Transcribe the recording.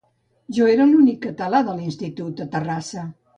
Jo era l'únic català de l'institut a Terrassa